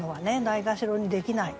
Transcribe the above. ないがしろにできない。